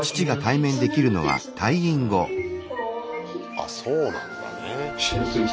あそうなんだね。